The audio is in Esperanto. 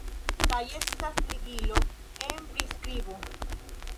kaj estas ligilo en la priskribo